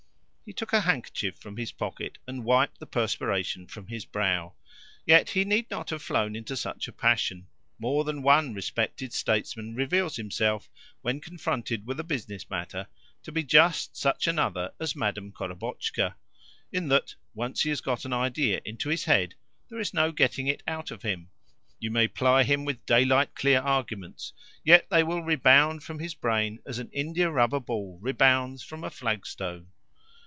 He took a handkerchief from his pocket, and wiped the perspiration from his brow. Yet he need not have flown into such a passion. More than one respected statesman reveals himself, when confronted with a business matter, to be just such another as Madam Korobotchka, in that, once he has got an idea into his head, there is no getting it out of him you may ply him with daylight clear arguments, yet they will rebound from his brain as an india rubber ball rebounds from a flagstone.